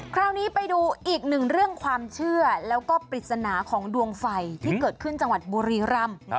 คราวนี้ไปดูอีกหนึ่งเรื่องความเชื่อแล้วก็ปริศนาของดวงไฟที่เกิดขึ้นจังหวัดบุรีรำ